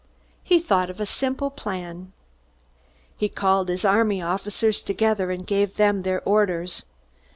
He thought of a simple plan. He called his army officers together, and gave them their orders.